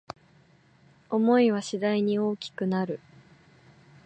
想いは次第に大きくなる